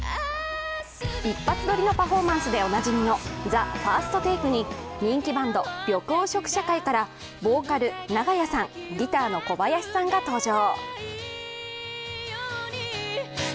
一発撮りのパフォーマンスでおなじみの「ＴＨＥＦＩＲＳＴＴＡＫＥ」に人気バンド、緑黄色社会からボーカル・長屋さん、ギターの小林さんが登場。